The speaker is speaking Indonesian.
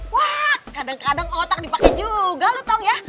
wah kadang kadang otak dipake juga lo tau ya